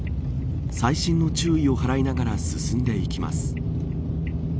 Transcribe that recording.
細心の注意を払いながら進んでいきます。